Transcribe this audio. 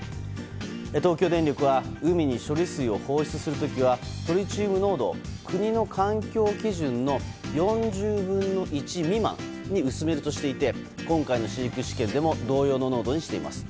東京電力は海に処理水を放出する時はトリチウム濃度を国の環境基準の４０分の１未満に薄めるとしていて今回の飼育試験でも同様の濃度にしています。